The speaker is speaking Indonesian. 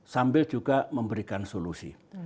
sambil juga memberikan solusi